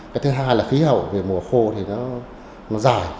cái thứ hai là khí hậu về mùa khô thì nó dài